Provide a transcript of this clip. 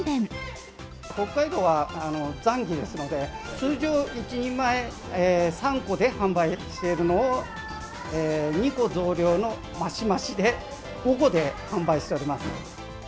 北海道はざんぎですので、通常１人前３個で販売しているのを、２個増量のマシマシで５個で販売しております。